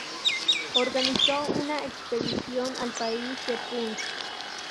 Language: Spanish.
Organizó una expedición al país de Punt.